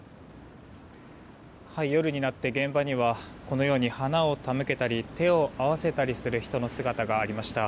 夜になって現場にはこのように花を手向けたり手を合わせたりする人の姿がありました。